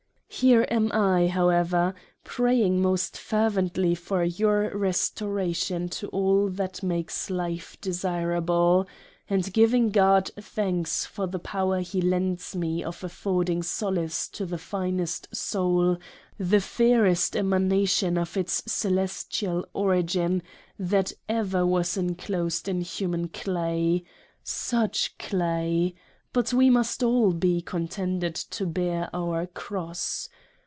Here am I, however, praying most fervently for your Restoration to all that makes Life desirable, and giving God thanks for the Power he lends me of affording solace to the finest Soul, the fairest Emana tion of its Celestial Origin that ever was inclosed in human clay. — Such Clay ! but we must all be contented to bear our Cross.